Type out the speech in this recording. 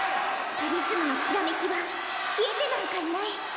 プリズムのきらめきは消えてなんかいない。